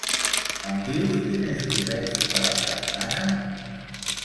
Em dius quin és l'oreig de la setmana?